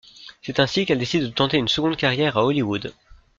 C'est ainsi qu'elle décide de tenter une seconde carrière à Hollywood.